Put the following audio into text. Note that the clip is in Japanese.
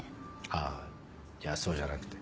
あっいやそうじゃなくて。